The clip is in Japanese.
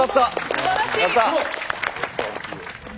すばらしい！